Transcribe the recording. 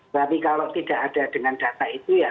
tapi kalau tidak ada dengan data itu ya